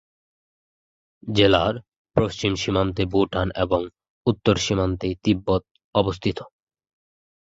জেলার পশ্চিম সীমান্তে ভুটান এবং উত্তর সীমান্তে তিব্বত অবস্থিত।